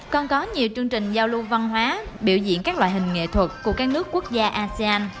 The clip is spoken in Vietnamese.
còn có nhiều chương trình giao lưu văn hóa biểu diễn các loại hình nghệ thuật của các nước quốc gia asean